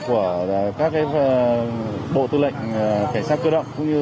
của các bộ tư lệnh cảnh sát cơ động